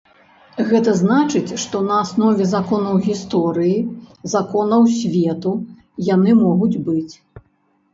Гэта значыць, што на аснове законаў гісторыі, законаў свету яны могуць быць.